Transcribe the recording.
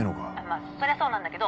「まあそりゃそうなんだけど」